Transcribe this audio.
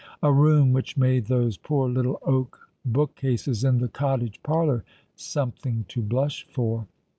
A room which made those poor little oak bookcases in the cottage parlour something to blush for.